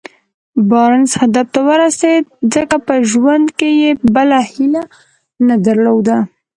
بارنس هدف ته ورسېد ځکه په ژوند کې يې بله هيله نه درلوده.